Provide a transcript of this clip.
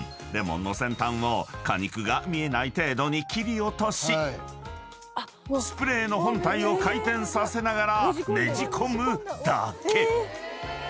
［レモンの先端を果肉が見えない程度に切り落としスプレーの本体を回転させながらねじ込むだけ］